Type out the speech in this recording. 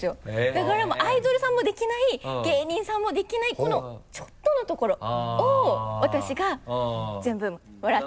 だからもうアイドルさんもできない芸人さんもできないこのちょっとのところを私が全部もらって。